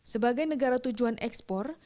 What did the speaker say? sebagai negara tujuan ekspor